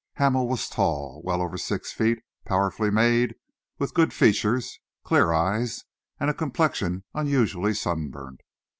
Hamel was tall, well over six feet, powerfully made, with good features, clear eyes, and complexion unusually sunburnt.